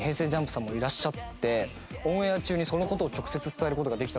ＪＵＭＰさんもいらっしゃってオンエア中にその事を直接伝える事ができたんですよ。